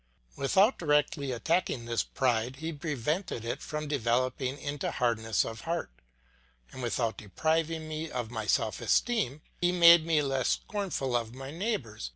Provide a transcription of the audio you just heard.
Without directly attacking this pride, he prevented it from developing into hardness of heart; and without depriving me of my self esteem, he made me less scornful of my neighbours.